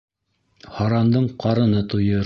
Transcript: Һарандың ҡарыны туйыр.